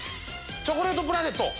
チョコレートプラネット。